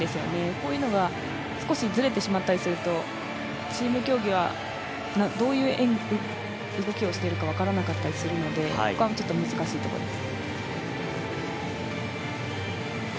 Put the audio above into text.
こういうのが少しずれてしまったりするとチーム競技はどういう動きをしているか分からなかったりするので難しいところです。